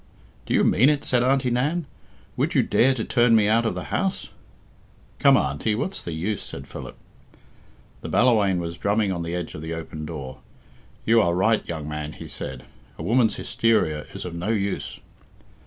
"Do you mean it?" said Auntie Nan. "Would you dare to turn me out of the house?" "Come, Auntie, what's the use?" said Philip. The Ballawhaine was drumming on the edge of the open door. "You are right, young man," he said, "a woman's hysteria is of no use."